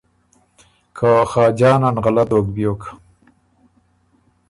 که خاجان ان غلط دوک بیوک۔